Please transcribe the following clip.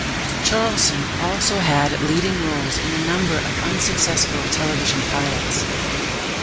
Charleson also had leading roles in a number of unsuccessful television pilots.